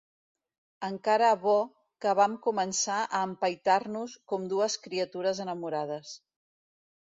Encara bo que vam començar a empaitar-nos com dues criatures enamorades.